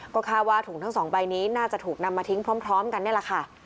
ก็คาดว่าถุงทั้งสองใบนี้น่าจะถูกนำมาทิ้งพร้อมกันนี่แหละค่ะ